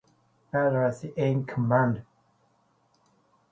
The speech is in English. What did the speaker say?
Peatross in command.